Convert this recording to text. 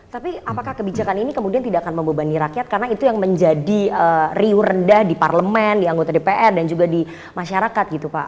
tapi apakah kebijakan ini kemudian tidak akan membebani rakyat karena itu yang menjadi riuh rendah di parlemen di anggota dpr dan juga di masyarakat gitu pak